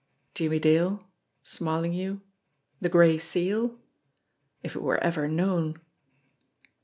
Jimmie Dale; Smarlinghue the Gray Seal! If it were ever known